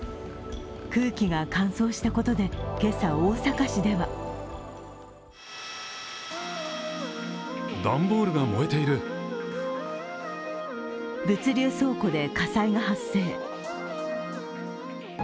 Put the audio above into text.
空気が乾燥したことで今朝、大阪市では物流倉庫で火災が発生。